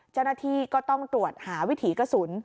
เจ้าหน้าที่ก็ต้องตรวจหาวิถีกระสุน